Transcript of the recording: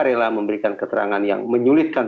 rela memberikan keterangan yang menyulitkan